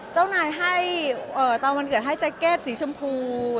เจ้านายให้ตอนวันเกิดให้แจ็คเก็ตสีชมพู